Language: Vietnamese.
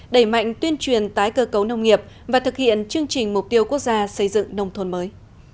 đẩy mạnh tuyên truyền tái cơ cấu nông nghiệp và thực hiện chương trình mục tiêu quốc gia xây dựng nông thôn mới